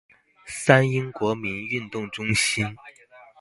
三鶯國民運動中心